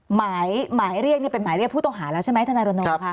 หมายเรียกนี้เป็นหมายเรียกผู้ตัวหารแล้วใช่ไหมธนโลกรบพี่คะ